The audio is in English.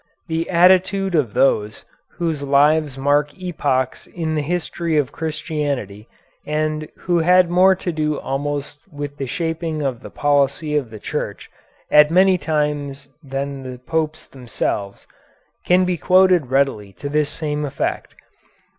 The attitude of those whose lives mark epochs in the history of Christianity and who had more to do almost with the shaping of the policy of the Church at many times than the Popes themselves, can be quoted readily to this same effect.